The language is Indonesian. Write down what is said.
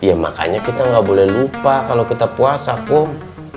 ya makanya kita nggak boleh lupa kalau kita puasa pun